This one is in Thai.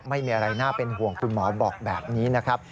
ไม่มีอะไรน่าเป็นห่วงคุณหมอบอกแบบนี้นะครับ